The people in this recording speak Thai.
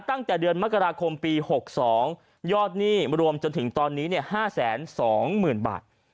ตั้งแต่เดือนมกราคมปีหกสองยอดหนี้รวมจนถึงตอนนี้เนี่ยห้าแสนสองหมื่นบาท